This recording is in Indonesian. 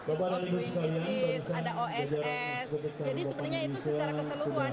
esports doing business ada oss jadi sebenarnya itu secara keseluruhan